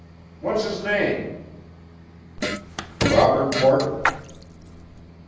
What's his name?" "Robert Morton."